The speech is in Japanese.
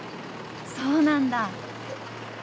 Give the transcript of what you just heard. そうなんだ。